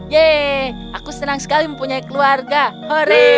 yeay aku senang sekali mempunyai keluarga hooray